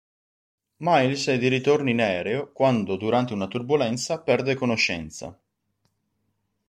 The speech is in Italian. Miles è di ritorno in aereo quando durante una turbolenza perde conoscenza.